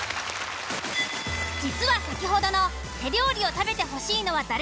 実は先ほどの手料理を食べて欲しいのは誰？